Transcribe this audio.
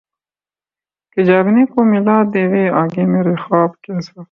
کہ جاگنے کو ملا دیوے آکے میرے خواب کیساتھ